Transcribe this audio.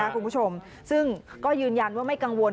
คุณผู้ชมซึ่งก็ยืนยันว่าไม่กังวล